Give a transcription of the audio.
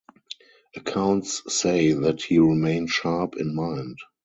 Accounts say that he remained sharp in mind.